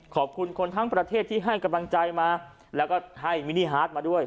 ขอบคุณคนทั้งประเทศที่ให้กำลังใจมาแล้วก็ให้มินิฮาร์ดมาด้วย